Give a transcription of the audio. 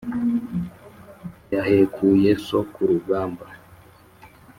Yahekuye so ku rugamba